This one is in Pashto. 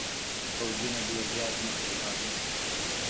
پوځونه ډېر زیات مخته ولاړ نه شي.